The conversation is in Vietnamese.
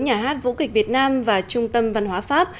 nhà hát vũ kịch việt nam và trung tâm văn hóa pháp